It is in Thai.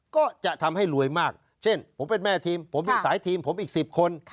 ก็จะทำให้รวยมากเช่นผมเป็นแม่ทีมผมมีสายทีมผมอีก๑๐คน